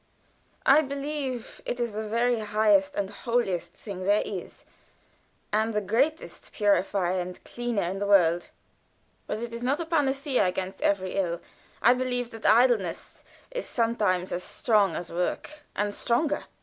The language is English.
"I believe it is the very highest and holiest thing there is, and the grandest purifier and cleanser in the world. But it is not a panacea against every ill. I believe that idleness is sometimes as strong as work, and stronger.